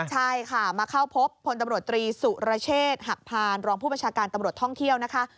ใช่ค่ะมาเข้าพบพลตำรวจตรีสุรเชษฐ์หักพานรองผู้บัญชาการตำรวจท่องเที่ยวนะคะ